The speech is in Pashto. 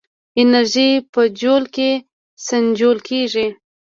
انرژي په جول کې سنجول کېږي.